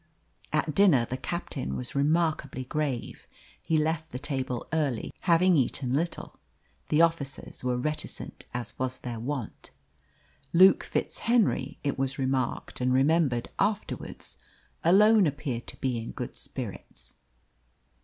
At dinner the captain was remarkably grave; he left the table early, having eaten little. The officers were reticent, as was their wont. Luke FitzHenry, it was remarked and remembered afterwards, alone appeared to be in good spirits.